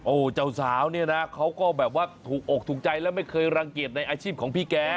โอ้โหเจ้าสาวเนี่ยนะเขาก็แบบว่าถูกอกถูกใจและไม่เคยรังเกียจในอาชีพของพี่แก